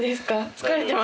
疲れてますね。